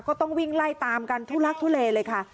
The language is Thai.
ก็ต้องวิ่งไล่ตามกันทุลักทุเลเลยค่ะ